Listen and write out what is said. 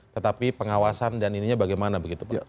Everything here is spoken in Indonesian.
tetapi pengawasan dan ininya bagaimana begitu pak